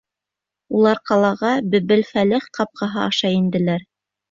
Улар ҡалаға Бебелфәлех ҡапҡаһы аша инделәр.